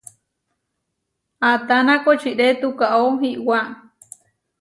Ataná kočiré tukaó iwá.